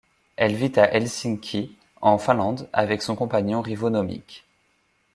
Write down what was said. Elle vit à Helsinki, en Finlande, avec son compagnon Rivo Nommik.